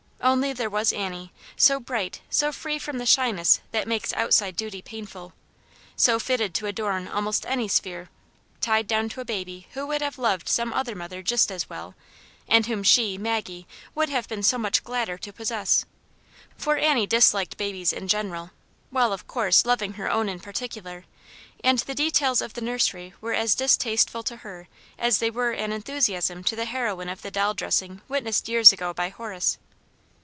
Only there was Annie, so bright, so free from the shyness that makes outside duty painful, so fitted to adorn almost any sphere, tied down to a baby who would have loved some other mother just as well, and whom she, Maggie, would have been so much gladder to possess. For Annie disliked babies in general, while, of course, loving her own in particular ; and the details of the nursery were as distasteful to hef as they were an enthusiasm to the heroine of the doll dressing witnessed years ago by Horace.